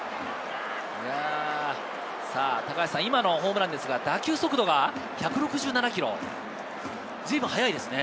今のホームランですが打球速度が１６７キロ、ずいぶん速いですね。